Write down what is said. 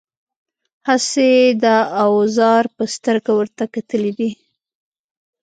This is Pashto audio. هسې د اوزار په سترګه ورته کتلي دي.